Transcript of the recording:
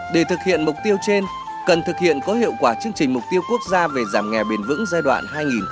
để thực hiện mục tiêu trên cần thực hiện có hiệu quả chương trình mục tiêu quốc gia về giảm nghèo bền vững giai đoạn hai nghìn hai mươi một hai nghìn hai mươi